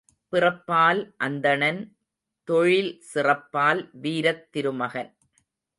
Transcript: பிறப்பால் அந்தணன் தொழில் சிறப்பால் வீரத் திருமகன்.